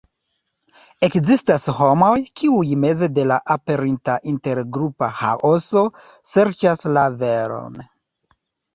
Ekzistas homoj, kiuj meze de la aperinta intergrupa ĥaoso serĉas la veron.